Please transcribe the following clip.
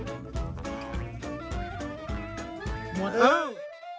สวัสดีครับ